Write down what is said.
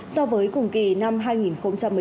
so với cùng kỳ năm hai nghìn một mươi tám